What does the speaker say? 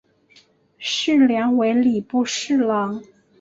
事梁为礼部侍郎。